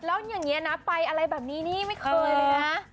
แล้วอย่างนี้นะไปอะไรแบบนี้นี่ไม่เคยเลยนะ